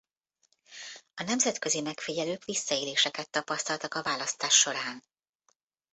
A nemzetközi megfigyelők visszaéléseket tapasztaltak a választás során.